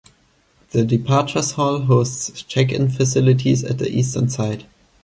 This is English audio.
The departures hall hosts check-in facilities at the eastern side.